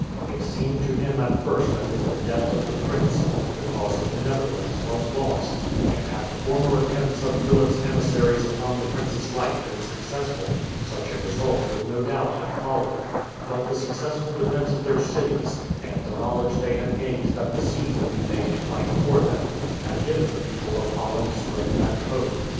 It seemed to him at first that with the death of the prince the cause of the Netherlands was lost, and had the former attempts of Philip's emissaries upon the prince's life been successful such a result would no doubt have followed; but the successful defence of their cities, and the knowledge they had gained that the sea could be made to fight for them, had given the people of Holland strength and hope.